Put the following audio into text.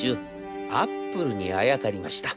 アップルにあやかりました。